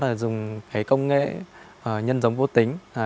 sau đó dùng công nghệ nhân dống vô tính